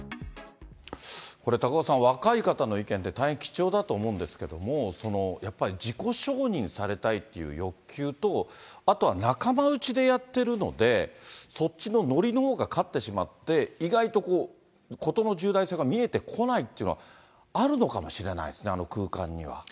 これ、高岡さん、若い方の意見って、大変貴重だと思うんですけども、やっぱり自己承認されたいっていう欲求と、あとは仲間内でやってるので、そっちの乗りのほうがかってしまって、意外と事の重大さが見えてこないっていうのはあるのかもしれないですね、あの空間には。